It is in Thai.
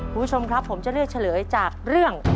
ผู้ชมครับผมจะเลือกชะลือได้จากเรื่อง